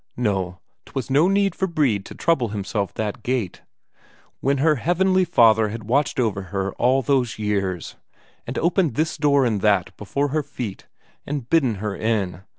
No, 'twas no need for Brede to trouble himself that gait when her Heavenly Father had watched over her all those years, and opened this door and that before her feet, and bidden her in.